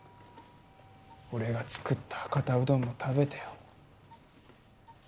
俺が作った博多うどんも食べてよ